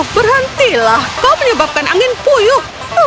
berhentilah kau menyebabkan angin puyuh